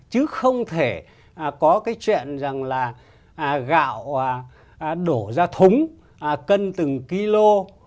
chứ không thể có cái chuyện rằng là gạo đổ ra thống cân từng kilo